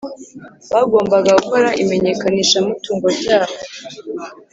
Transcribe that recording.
bagombaga gukora imenyekanishamutungo ryabo